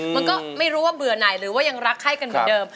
มันก็ไม่รู้ว่าเบื่อไหนหรือว่ายังรักไข้กันเหมือนเดิม